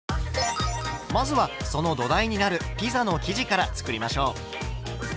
まずはその土台になるピザの生地から作りましょう。